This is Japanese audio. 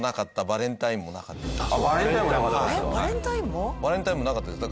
バレンタインもなかったです。